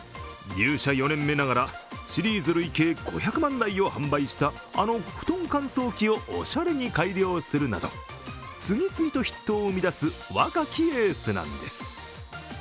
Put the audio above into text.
入社４年目ながらシリーズ累計５００万台を販売したあの布団乾燥機をおしゃれに改良するなど次々とヒットを生み出す若きエースなんです。